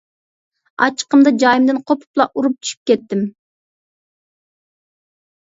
ئاچچىقىمدا جايىمدىن قوپۇپلا ئۇرۇپ چۈشۈپ كەتتىم.